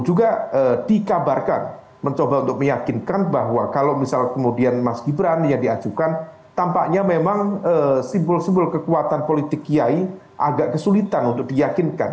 juga dikabarkan mencoba untuk meyakinkan bahwa kalau misal kemudian mas gibran yang diajukan tampaknya memang simbol simbol kekuatan politik kiai agak kesulitan untuk diyakinkan